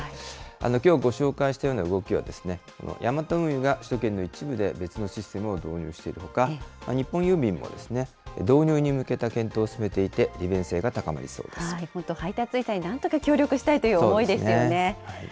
きょうご紹介したような動きは、ヤマト運輸が首都圏の一部で別のシステムを導入しているほか、日本郵便も、導入に向けた検討を進めていて、利便性が高まりそうで本当、配達員さんになんとか協力したいという思いですよね。